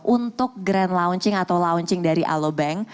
untuk grand launching atau launching dari alobank